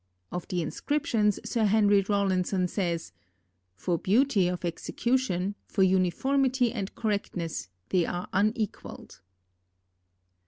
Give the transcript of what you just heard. Of the inscriptions, Sir Henry Rawlinson says: "For beauty of execution, for uniformity and correctness, they are unequalled."